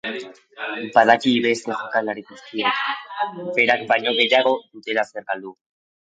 Badaki beste jokalari guztiek, berak baino gehiago dutela zer galdu.